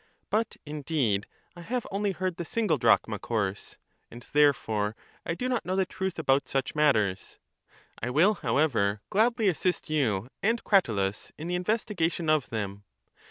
But, indeed, I have only heard the single drachma course, and therefore, I do not know the truth about such matters ; I will, however, gladly assist you and Cratylus in the investigation of them.